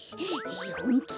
えほんき？